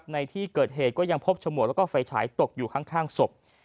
ในที่เกิดเหตุก็ยังพบฉมวกแล้วก็ไฟฉายตกอยู่ข้างศพ